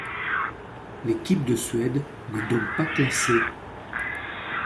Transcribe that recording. L'équipe de Suède n'est donc pas classée.